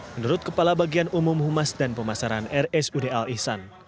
menurut kepala bagian umum humas dan pemasaran rsud al ihsan